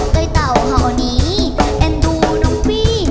ใกล้เต่าเห่านี้แอนดูน้ำปี้